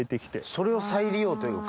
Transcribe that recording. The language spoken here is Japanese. それを再利用というか。